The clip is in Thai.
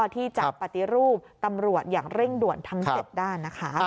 ที่จะปฏิรูปตำรวจอย่างเร่งด่วนทั้ง๗ด้านนะคะ